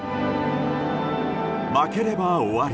負ければ終わり。